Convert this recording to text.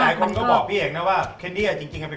ไม่ต้องละเอียดมากนะครับพี่